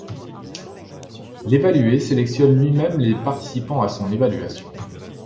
L'évalué sélectionne lui-même les participants à son évaluation.